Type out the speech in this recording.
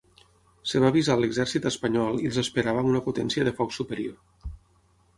Es va avisar l'exèrcit espanyol i els esperava amb una potència de foc superior.